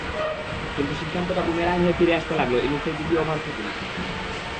কিন্তু সিদ্ধান্তটা বুমেরাং হয়ে ফিরে আসতে লাগল ইনিংসের দ্বিতীয় ওভার থেকেই।